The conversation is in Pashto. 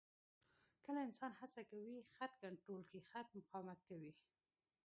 کله انسان هڅه کوي خط کنټرول کړي، خط مقاومت کوي.